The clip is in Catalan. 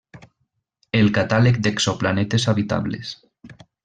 El catàleg d'exoplanetes habitables.